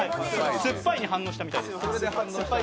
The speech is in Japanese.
すっぱいに反応したみたいです。